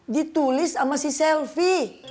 ditulis sama si selvi